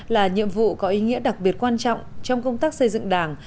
là nhiệm vụ có ý nghĩa đặc biệt quan trọng trong công tác xây dựng đảng